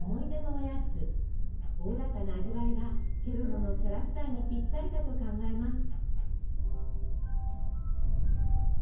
おおらかな味わいがケロロのキャラクターにぴったりだと考えます。